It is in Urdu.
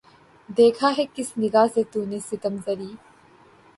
دیکھا ہے کس نگاہ سے تو نے ستم ظریف